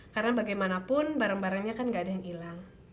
karena bagaimanapun barang barangnya kan gak ada yang hilang